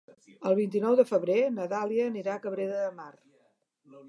El vint-i-nou de febrer na Dàlia anirà a Cabrera de Mar.